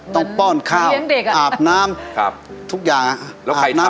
ต้องป้อนข้าวอาบน้ำทุกอย่างอะเหมือนเลี้ยงเด็กอะ